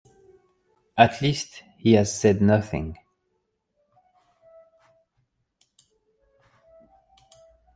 At least, he has said nothing.